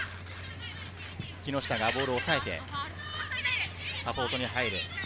木下がボールを押さえてサポートに入る。